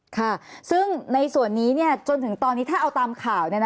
ค่ะซึ่งในส่วนนี้จนถึงตอนนี้ถ้าเอาตามข่าว